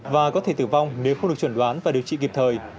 và có thể tử vong nếu không được chuẩn đoán và điều trị kịp thời